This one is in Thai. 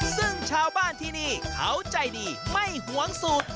ซึ่งชาวบ้านที่นี่เขาใจดีไม่หวงสูตร